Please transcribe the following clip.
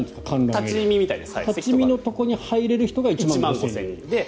立ち見のところに入れる人が１万５０００人と。